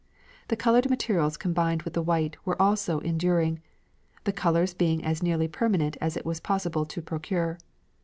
The coloured materials combined with the white were also enduring, the colours being as nearly permanent as it was possible to procure.